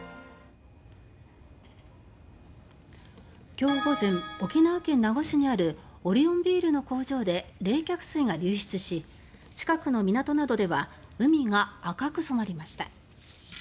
今日午前沖縄県名護市にあるオリオンビールの工場で冷却水が流出し近くの港や海岸では海が赤く染まりました。